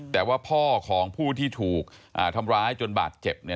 แต่ว่าพ่อของผู้ที่ถูกทำร้ายจนบาดเจ็บเนี่ย